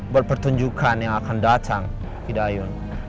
berpertunjukan yang akan datang hidayun